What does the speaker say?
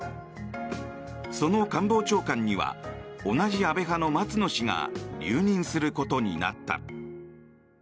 その官房長官には同じ安倍派の松野氏が留任することになった。